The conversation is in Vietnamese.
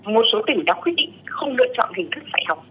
một số tỉnh đã quyết định không lựa chọn hình thức đại học